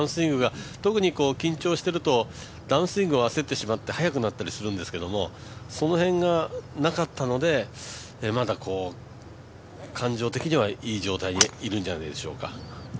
特に緊張しているとダウンスイングが焦ってしまって速くなったりするんですけれども、その辺がなかったのでまだ感情的にはいい状態にいるんじゃないでしょうか。